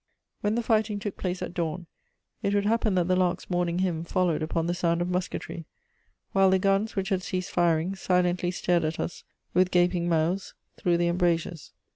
When the fighting took place, at dawn, it would happen that the lark's morning hymn followed upon the sound of musketry, while the guns, which had ceased firing, silently stared at us, with gaping mouths, through the embrasures.